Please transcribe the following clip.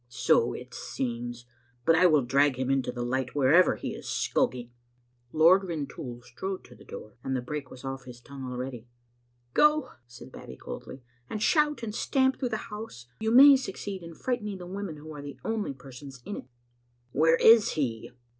"So it seems; but I will drag him into the light, wherever he is skulking." Lord Rintoul strode to the door, and the brake was off his tongue already. "Go," said Babbie coldly, "and shout and stamp through the house ; you may succeed in frightening the women, who are the only persons in it. " "Where is he?"